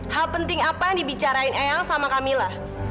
hal penting apa yang dibicarakan eyang sama kamila